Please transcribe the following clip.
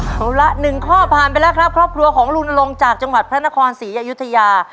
เอาละ๑ข้อผ่านไปแล้วครับครอบครัวของลุงลงจากจังหวัดพระนครศรีอยุธยา